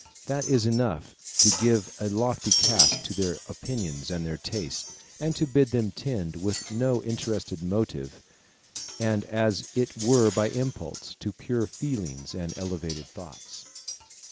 That is enough to give a lofty cast to their opinions and their tastes, and to bid them tend with no interested motive, and as it were by impulse, to pure feelings and elevated thoughts.